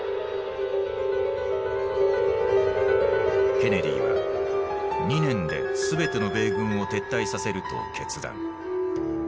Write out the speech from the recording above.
ケネディは２年で全ての米軍を撤退させると決断。